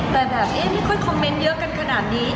แต่แบบเอ๊ะไม่ค่อยคอมเมนต์เยอะกันขนาดนี้